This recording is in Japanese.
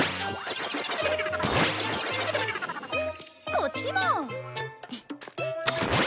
こっちも！